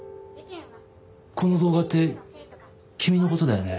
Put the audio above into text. この動画って君の事だよね？